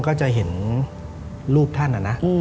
ก็จะเห็นรูปท่านนะนะ